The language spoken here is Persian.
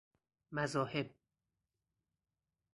مذاهب